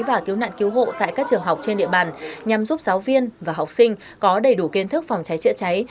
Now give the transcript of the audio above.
và cứu nạn cứu hộ tại các trường học trên địa bàn nhằm giúp giáo viên và học sinh có đầy đủ kiến thức phòng cháy chữa cháy